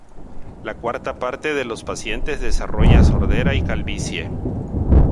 La cuarta parte de los pacientes desarrolla sordera y calvicie.